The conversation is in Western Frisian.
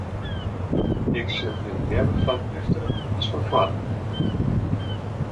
Ik sjoch him leaver fan efteren as fan foaren.